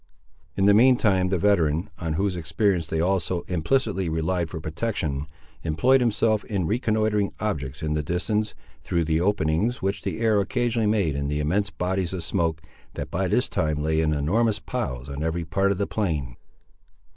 In the mean time the veteran, on whose experience they all so implicitly relied for protection, employed himself in reconnoitring objects in the distance, through the openings which the air occasionally made in the immense bodies of smoke, that by this time lay in enormous piles on every part of the plain.